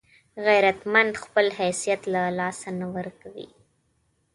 غیرتمند خپل حیثیت له لاسه نه ورکوي